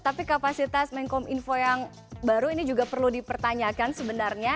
tapi kapasitas menkom info yang baru ini juga perlu dipertanyakan sebenarnya